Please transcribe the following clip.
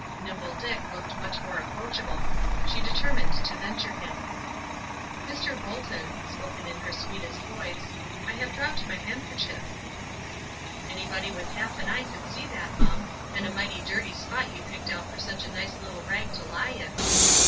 Nimble Dick looked much more approachable. She determined to venture him: "Mr. Bolton," spoken in her sweetest voice, "I have dropped my handkerchief." "Anybody with half an eye could see that, mum; and a mighty dirty spot you picked out for such a nice little rag to lie in."